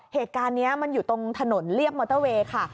เหตุการณ์นี้มันอยู่ตรงถนนเรียบมอเตอร์เวย์ค่ะ